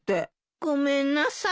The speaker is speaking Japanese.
ごめんなさい。